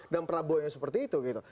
dan prabowo yang seperti itu